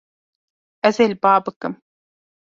Ez ê li ba bikim.